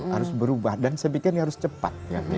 harus berubah dan sebagainya harus cepat